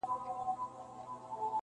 چي قاضي او مفتي ناست وي ماران ګرځي -